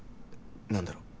何だろう